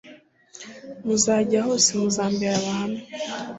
muzajya hose muzambere abahamya